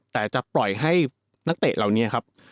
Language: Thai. แต่จะปล่อยให้นักเตะเหล่านี้ครับ